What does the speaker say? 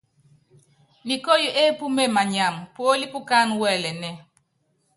Nikóyo épúme manyama, puólí pukáánɛ́ wɛlɛnɛ́ɛ.